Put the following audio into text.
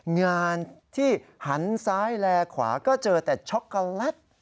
งานที่หันซ้ายแลขวาก็เจอแต่ช็อกโกแลต